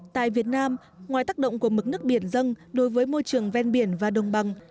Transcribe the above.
tại việt nam ngoài tác động của mức nước biển dân đối với môi trường ven biển và đồng bằng